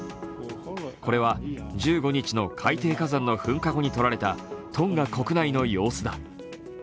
これは１５日の海底火山の噴火後に撮られたトンガ国内の様子だ。